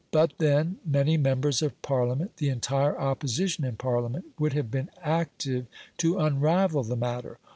But, then, many members of Parliament, the entire Opposition in Parliament, would have been active to unravel the matter.